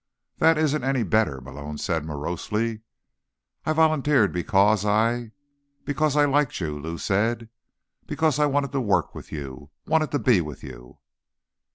"That isn't any better," Malone said morosely. "I volunteered because I—because I liked you," Lou said. "Because I wanted to work with you, wanted to be with you."